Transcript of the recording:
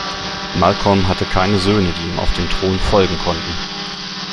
Malcolm hatte keine Söhne, die ihm auf den Thron folgen konnten.